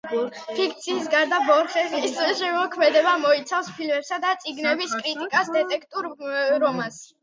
ფიქციის გარდა ბორხესის შემოქმედება მოიცავს ფილმებისა და წიგნების კრიტიკას, დეტექტიურ რომანს.